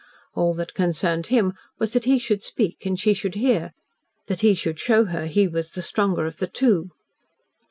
All that concerned him was that he should speak and she should hear that he should show her he was the stronger of the two.